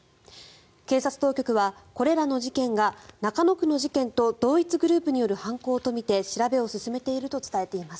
警察当局はこれらの事件が中野区の事件と同一グループによる犯行とみて調べを進めていると伝えています。